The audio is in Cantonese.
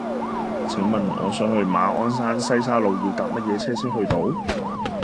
請問我想去馬鞍山西沙路要搭乜嘢車先去到